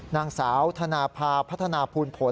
นางสาวธนภาพัฒนาภูลผล